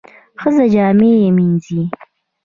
ښځه جامې مینځي.